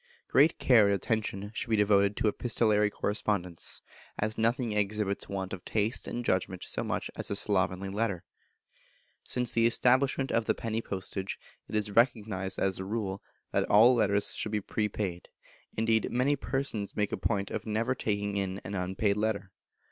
Great care and attention should be devoted to epistolary correspondence, as nothing exhibits want of taste and judgment so much as a slovenly letter. Since the establishment of the penny postage it is recognised as a rule that all letters should be prepaid; indeed, many persons make a point of never taking in an unpaid letter.